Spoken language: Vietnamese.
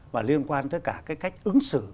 và liên quan tới cả cái cách ứng xử